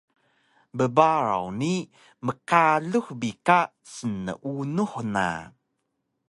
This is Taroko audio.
Bbaraw ni mqalux bi ka sneunux na